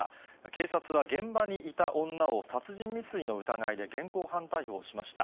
警察は現場にいた女を、殺人未遂の疑いで現行犯逮捕しました。